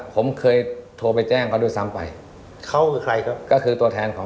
ผมเคยโทรไปแจ้งเขาด้วยซ้ำไปเขาคือใครครับก็คือตัวแทนของ